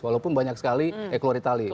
walaupun banyak sekali eh keluar itali